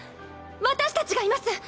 私たちがいます。